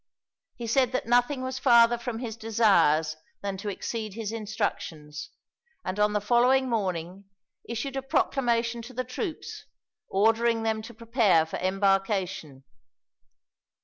He said that nothing was farther from his desires than to exceed his instructions, and on the following morning issued a proclamation to the troops, ordering them to prepare for embarkation.